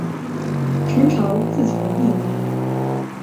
陈朝自从灭亡。